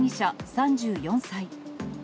３４歳。